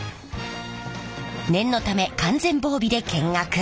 念のため完全防備で見学！